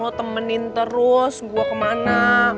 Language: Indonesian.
mau temenin terus gue kemana